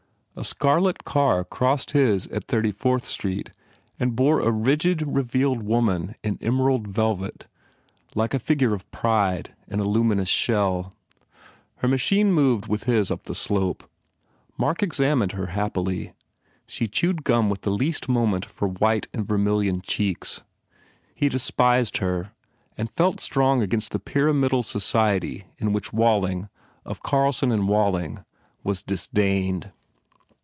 A scarlet car crossed his at Thirty Fourth Street and bore a rigid, revealed woman in emerald velvet, like a figure of pride in a luminous shell. Her machine moved with his up the slope. Mark examined her happily. She chewed gum with the least movement of her white and vermilion cheeks. He despised her and felt strong against the pyramidal society in which Walling, of Carlson and Walling, was dis dained.